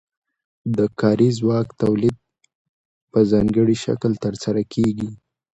د کاري ځواک تولید په ځانګړي شکل ترسره کیږي.